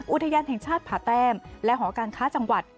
อุทยานแห่งชาติได้ห่อการค้าจังหวัด